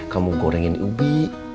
kamu gorengin ubi